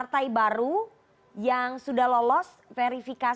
tim liputan cnn indonesia